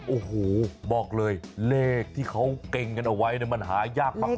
โอ้โหบอกเลยเลขที่เขาเก่งกันเอาไว้มันหายากมาก